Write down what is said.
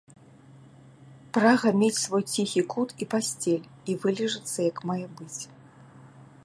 Прага мець свой ціхі кут і пасцель і вылежацца як мае быць.